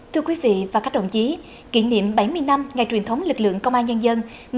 thưa quý vị và các đồng chí kỷ niệm bảy mươi năm ngày truyền thống lực lượng công an nhân dân